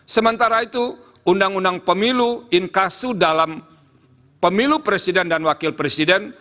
sementara itu undang undang pemilu inkasu dalam pemilu presiden dan wakil presiden